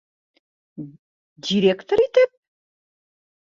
Директор итеп?!